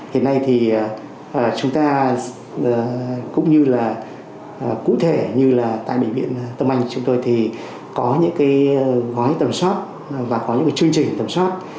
hiện nay thì chúng ta cũng như là cụ thể như là tại bệnh viện tâm anh chúng tôi thì có những cái gói tầm soát và có những chương trình tầm soát